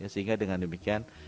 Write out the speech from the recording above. sehingga dengan demikian